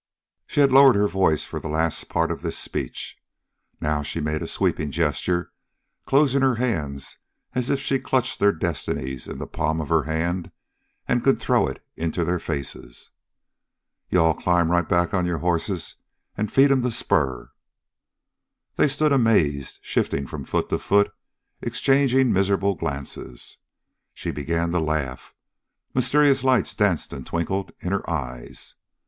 She had lowered her voice for the last part of this speech. Now she made a sweeping gesture, closing her hand as if she had clutched their destinies in the palm of her hand and could throw it into their faces. "You all climb right back on your hosses and feed 'em the spur." They stood amazed, shifting from foot to foot, exchanging miserable glances. She began to laugh; mysterious lights danced and twinkled in her eyes.